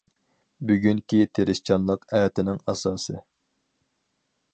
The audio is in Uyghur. بۈگۈنكى تىرىشچانلىق ئەتىنىڭ ئاساسى.